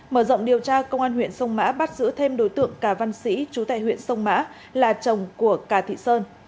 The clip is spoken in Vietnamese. mở rộng điều tra công an huyện sông mã bắt giữ thêm đối tượng cà văn sĩ chú tại huyện sông mã là chồng của cà thị sơn